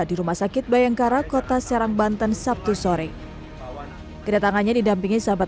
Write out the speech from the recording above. di rumah sakit bayangkara kota serang banten sabtu sore kedatangannya didampingi sahabat